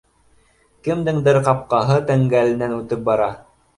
Кемдеңдер ҡапҡаһы тәңгәленән үтеп бара